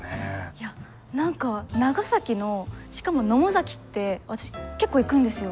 いや何か長崎のしかも野母崎って私結構行くんですよ。